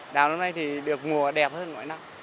đào năm nay thì được mùa đẹp hơn mỗi năm